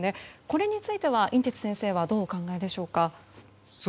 これについては寅てつ先生はどうお考えでしょうか？